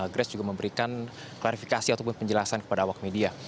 kris juga memberikan klarifikasi atau penjelasan kepada awak media